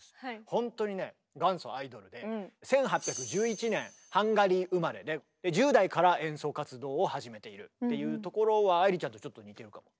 ほんとにね元祖アイドルで１８１１年ハンガリー生まれ。で１０代から演奏活動を始めているっていうところは愛理ちゃんとちょっと似てるかも。